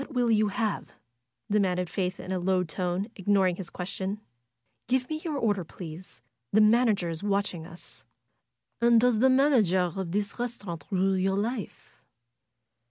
"What will you have?" demanded Faith in a low tone, ignoring his question. "Give me your order, please. The manager is watching us." "And does the manager of this restaurant rule your life?"